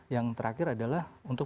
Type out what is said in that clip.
yang terakhir adalah untuk